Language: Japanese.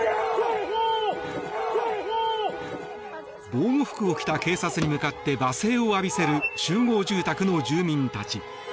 防護服を着た警察に向かって罵声を浴びせる集合住宅の住民たち。